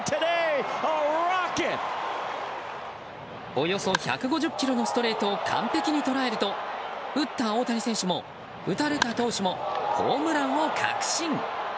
およそ１５０キロのストレートを完璧に捉えると打った大谷選手も打たれた投手もホームランを確信。